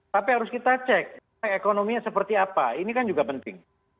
tapi harus kita cek ekonominya seperti apa ini kan juga penting